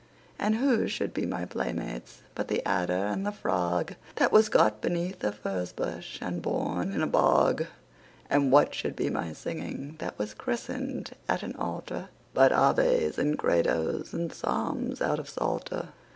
And who should be my playmates but the adder and the frog, That was got beneath a furze bush and born in a bog? And what should be my singing, that was christened at an altar, But Aves and Credos and Psalms out of Psalter?